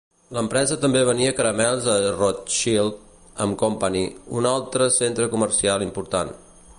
L'empresa també venia caramels a Rothschild and Company, un altre centre comercial important.